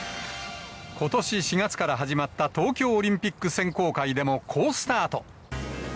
ことし４月から始まった東京オリンピック選考会でも好スタート。